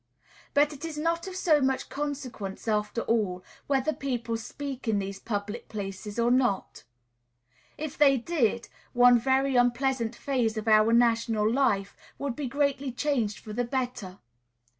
But it is not of so much consequence, after all, whether people speak in these public places or not. If they did, one very unpleasant phase of our national life would be greatly changed for the better.